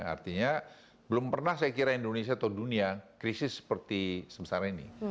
artinya belum pernah saya kira indonesia atau dunia krisis seperti sebesar ini